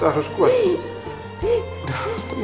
tak bisa aku kepala rumah